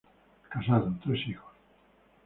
Casado, tres hijos.